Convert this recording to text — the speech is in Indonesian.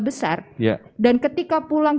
besar dan ketika pulang